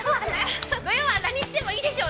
◆土曜は何してもいいでしょう。